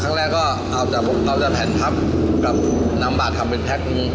ครั้งแรกก็เอาจากพันธ์พับกับน้ำบาททำเป็นแพ็ก